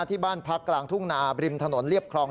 ที่บ้านพักกลางทุ่งนาบริมถนนเรียบคลอง